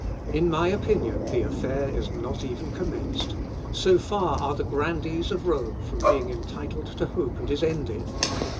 In my opinion the affair is not even commenced; so far are the grandees of Rome from being entitled to hope it is ended.